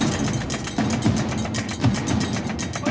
ต่อมา